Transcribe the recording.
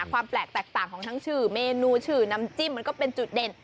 ความแปลกแตกต่างของทั้งชื่อเมนูชื่อน้ำจิ้มมันก็เป็นจุดเด่น